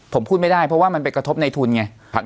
ผมพูดไม่ได้เพราะว่ามันไปกระทบในทุนไง